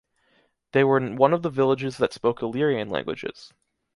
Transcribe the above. They were one of the villages that spoke Illyrian languages.